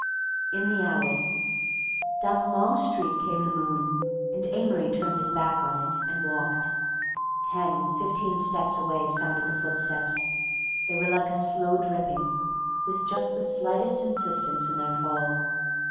IN THE ALLEY Down the long street came the moon, and Amory turned his back on it and walked. Ten, fifteen steps away sounded the footsteps. They were like a slow dripping, with just the slightest insistence in their fall.